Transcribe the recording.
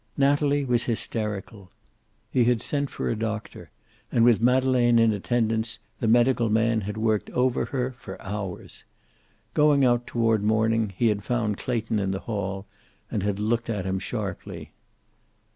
Natalie was hysterical. He had sent for a doctor, and with Madeleine in attendance the medical man had worked over her for hours. Going out, toward morning, he had found Clayton in the hall and had looked at him sharply.